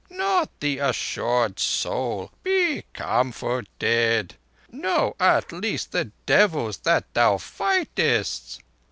Not the assured Soul. Be comforted! Know at least the devils that thou fightest.